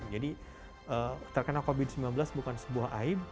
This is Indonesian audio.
jadi terkena covid sembilan belas bukan sebuah aib